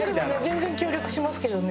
全然協力しますけどね。